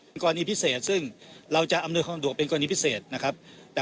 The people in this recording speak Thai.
เป็นกรณีพิเศษซึ่งเราจะอำนวยความสะดวกเป็นกรณีพิเศษนะครับ